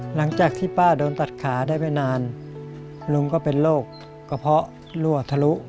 หลังจากที่ป้าโดนตัดขาได้ไม่นานลุงก็เป็นโรคกระเพาะรั่วทะลุ